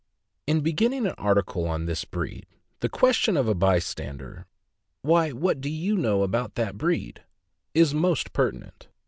IN beginning an article on this breed, the question of a by stander, "Why, what do you know about that breed T' is most pertinent.